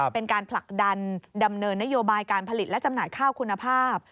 เป็นการผลักดันดำเนินนโยบายการผลิตและจำหน่ายข้าวคุณภาพ